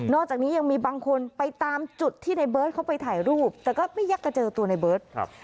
จากนี้ยังมีบางคนไปตามจุดที่ในเบิร์ตเขาไปถ่ายรูปแต่ก็ไม่อยากจะเจอตัวในเบิร์ตครับ